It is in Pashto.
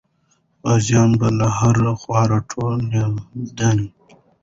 غازیان به له هرې خوا راټولېدلې وو.